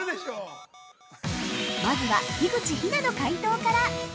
まずは、樋口日奈の解答から。